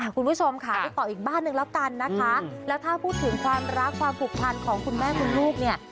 คุณผู้ชมค่ะไปต่ออีกบ้านหนึ่งแล้วกันนะคะแล้วถ้าพูดถึงความรักความผูกพันของคุณแม่คุณลูกเนี่ย